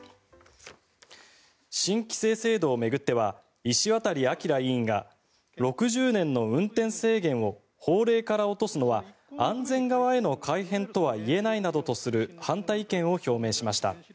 新規制制度を巡っては石渡明委員が６０年の運転制限を法令から落とすのは安全側への改変とは言えないなどとする反対意見を表明しました。